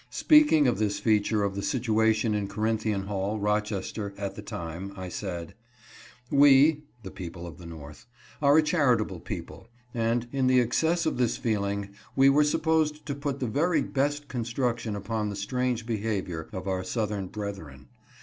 Speaking of this feature of the situation in Corinthian Hall, Rochester, at the time, I said: "We (the people of the North) are a charitable people, and, in the excess of this feeling, we were disposed to put the very best construc tion upon the strange behavior of our southern brethren.